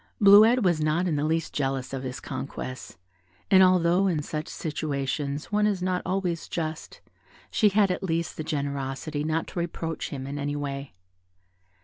Bleuette was not in the least jealous of his conquests, and although in such situations one is not always just, she had at least the generosity not to reproach him in any way.